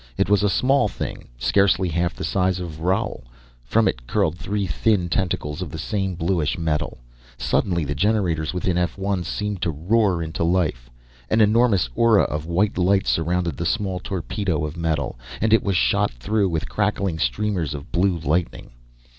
It was a small thing, scarcely half the size of Roal. From it curled three thin tentacles of the same bluish metal. Suddenly the generators within F 1 seemed to roar into life. An enormous aura of white light surrounded the small torpedo of metal, and it was shot through with crackling streamers of blue lightning.